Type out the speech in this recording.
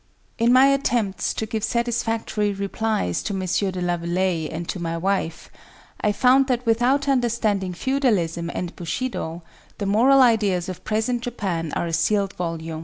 In my attempts to give satisfactory replies to M. de Laveleye and to my wife, I found that without understanding Feudalism and Bushido, the moral ideas of present Japan are a sealed volume.